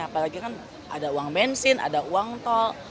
apalagi kan ada uang bensin ada uang tol